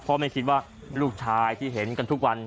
เพราะไม่คิดว่าลูกชายที่เห็นกันทุกวัน